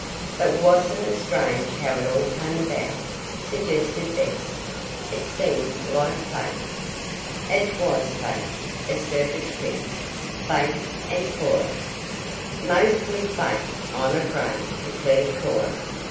"But wasn't it strange how it all came about?" suggested Bess. "It seemed like fate." "It was fate," asserted Clip. "Fate and Cora." "Mostly fate, I'm afraid," declared Cora.